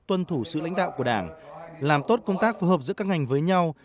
tuân thủ sự lãnh đạo của đảng làm tốt công tác phù hợp giữa các ngành với nhau